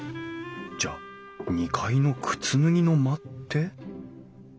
じゃあ２階の靴脱ぎの間って？